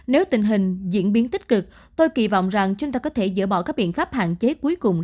nếu tình hình diễn biến tích cực tôi kỳ vọng rằng chúng ta có thể dỡ bỏ các biện pháp hạn chế cuối cùng